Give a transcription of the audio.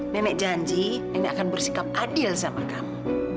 nenek janji ini akan bersikap adil sama kamu